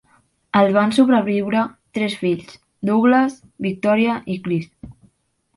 El van sobreviure tres fills, Douglas, Victoria i Chris.